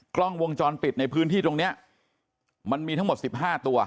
กล้องวงจรปิดในพื้นที่ตรงนี้มันมีทั้งหมด๑๕ตัว